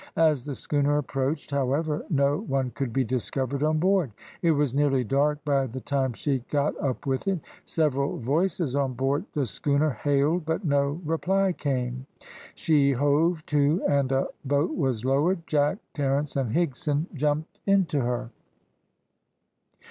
As the schooner approached, however, no one could be discovered on board. It was nearly dark by the time she got up with it. Several voices on board the schooner hailed, but no reply came. She hove to, and a boat was lowered. Jack, Terence, and Higson jumped into her.